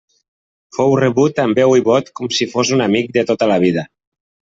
Fou rebut amb veu i vot com si fos un amic de tota la vida.